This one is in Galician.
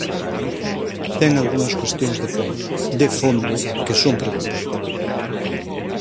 Ten algunhas cuestións de fondo, ¡de fondo!, que son preocupantes.